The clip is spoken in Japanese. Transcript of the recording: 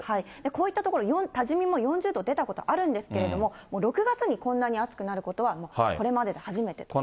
こういった所、多治見も４０度出たことあるんですけれども、もう６月にこんなに暑くなることは、これまでで初めてと。